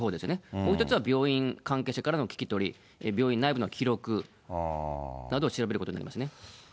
もう一つは病院関係者からの聞き取り、病院内部の記録などを調べることになりますね。